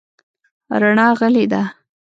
رڼا غلې ده .